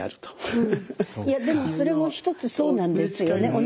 いやでもそれも一つそうなんですよね。